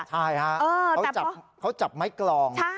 ใช่ฮะเขาจับไม้กลอง